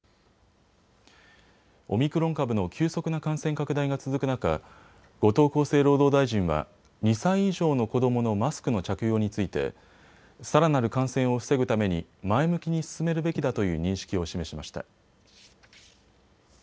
オミクロン株の急速な感染拡大が続く中、後藤厚生労働大臣は２歳以上の子どものマスクの着用についてさらなる感染を防ぐために前向きに進めるべきだという認識を示しました。